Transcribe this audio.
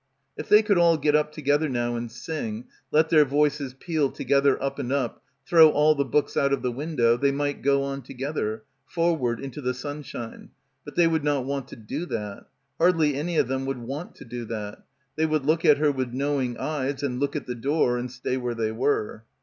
If they could all get up together now and sing, let their voices peal together up and up, throw all the books out of the window, they might go on together, forward into the sunshine, but they would not want to do that. Hardly any of them would want to do that. They would look at her with knowing eyes, and look at the door, and stay where they were.